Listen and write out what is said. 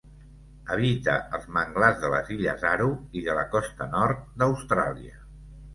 Habita els manglars de les illes Aru i de la costa nord d'Austràlia.